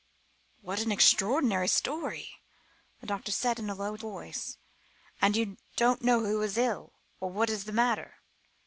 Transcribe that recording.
"What an extraordinary story!" the doctor said in a low voice, "and you don't know who is ill? or what is the matter?"